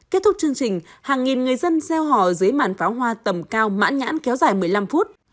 kết thúc chương trình hàng nghìn người dân gieo hò dưới màn pháo hoa tầm cao mãn nhãn kéo dài một mươi năm phút